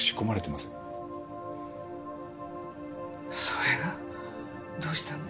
それがどうしたの？